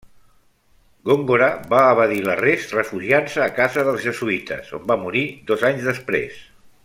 Góngora va evadir l'arrest refugiant-se a casa dels jesuïtes, on va morir dos anys després.